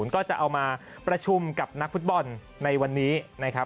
ก็จะเอามาประชุมกับนักฟุตบอลในวันนี้นะครับ